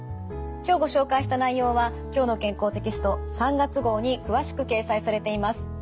今日ご紹介した内容は「きょうの健康」テキスト３月号に詳しく掲載されています。